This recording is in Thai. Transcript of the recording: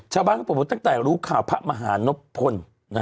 ชาวบ้านก็ประโยชน์ตั้งแต่รู้ข่าวพระมหานพล